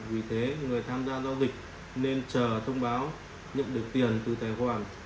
vì thế người tham gia giao dịch nên chờ thông báo nhận được tiền từ tài khoản